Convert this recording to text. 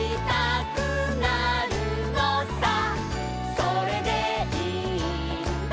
「それでいいんだ」